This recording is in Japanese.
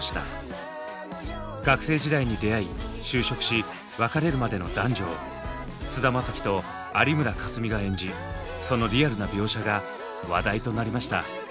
学生時代に出会い就職し別れるまでの男女を菅田将暉と有村架純が演じそのリアルな描写が話題となりました。